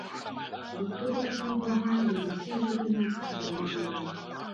دوکتور لطیف بهاند د روسي ژبې نه ژباړن دی.